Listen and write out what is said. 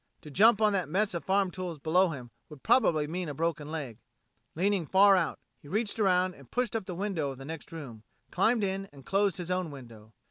To jump on that mess of farm tools below him would probably mean a broken leg. Leaning far out, he reached around and pushed up the window of the next room, climbed in and closed his own window.